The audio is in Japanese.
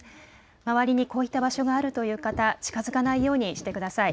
周りにこういった場所があるという方、近づかないようにしてください。